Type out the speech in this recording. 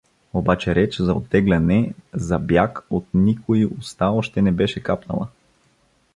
Обаче реч за оттегляне, за бяг от никои уста още не беше капнала.